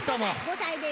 ５歳です。